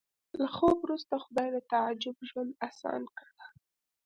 له خوب وروسته خدای د تعجب ژوند اسان کړ